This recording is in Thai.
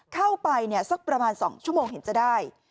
เข้าไปเนี่ยสักประมาณสองชั่วโมงเห็นจะได้